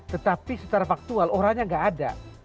tetapi secara faktual orangnya nggak ada